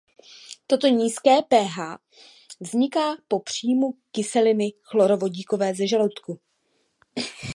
Toto nízké pH vzniká po příjmu kyseliny chlorovodíkové ze žaludku.